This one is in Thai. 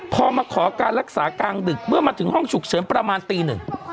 พอมาขอการรักษากลางดึกเมื่อมาถึงห้องฉุกเฉินประมาณตีหนึ่ง